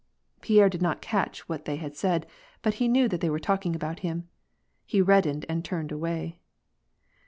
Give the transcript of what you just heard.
Pierre did not catch what they said, but he knew that they were talking about him. He reddened, and turned away.